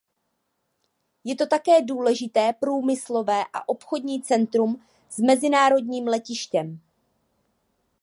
Je to také důležité průmyslové a obchodní centrum s mezinárodním letištěm.